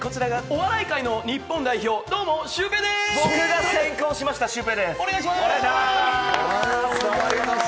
お笑い界の日本代表、どうもシュウペイです。